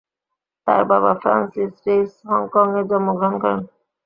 তার বাবা, Francis Reis, হংকংয়ে জন্মগ্রহণ করেন।